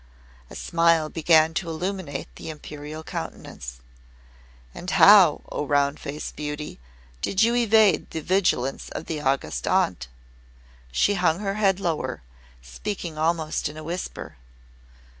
A smile began to illuminate the Imperial Countenance. "And how, O Round Faced Beauty, did you evade the vigilance of the August Aunt?" She hung her head lower, speaking almost in a whisper.